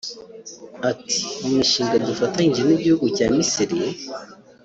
Ati “Mu mishinga dufatanyije n’igihugu cya Misiri